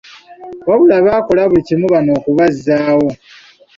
Wabula bakola buli kimu bano okubazzaawo.